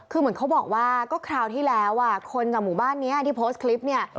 คือเหมือนเขาบอกว่าก็คราวที่แล้วคนจากหมู่บ้านนี้ที่โพสต์คลิปเนี่ย